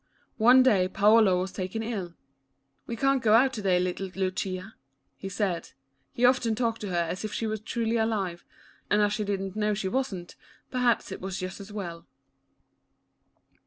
One day Paolo was taken ill. "We can't go out to day, little Lucia," he said. He often talked to her as if she were truly alive, and as she did n't know she was n't, perhaps it was just as well.